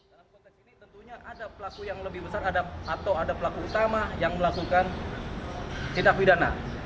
dalam konteks ini tentunya ada pelaku yang lebih besar atau ada pelaku utama yang melakukan tindak pidana